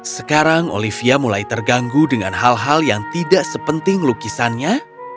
sekarang olivia mulai terganggu dengan hal hal yang tidak sepenting lukisannya